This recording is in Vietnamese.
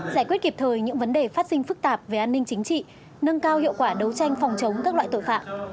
giải quyết kịp thời những vấn đề phát sinh phức tạp về an ninh chính trị nâng cao hiệu quả đấu tranh phòng chống các loại tội phạm